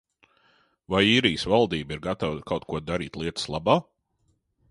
Vai Īrijas valdība ir gatava kaut ko darīt lietas labā?